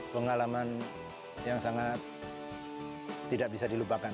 dan itu pengalaman yang sangat tidak bisa dilupakan